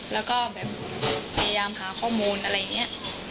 แล้วก็แบบพยายามหาข้อมูลอะไรอย่างนี้